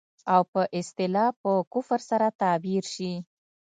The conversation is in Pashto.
او په اصطلاح په کفر سره تعبير شي.